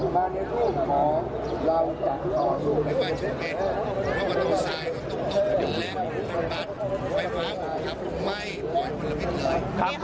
ฟังเสียงหน่อยครับมัยมากมันละเป็นเลย